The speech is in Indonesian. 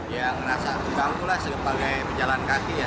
ya ngerasa terganggu lah sebagai pejalan kaki ya